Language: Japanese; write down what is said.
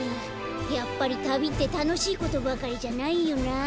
やっぱりたびってたのしいことばかりじゃないよな。